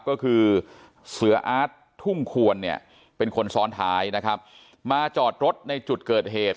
ก็คือเสืออาร์ตทุ่งควรเนี่ยเป็นคนซ้อนท้ายนะครับมาจอดรถในจุดเกิดเหตุ